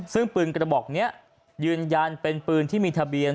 ซึ่งปืนกระบอกนี้ยืนยันเป็นปืนที่มีทะเบียน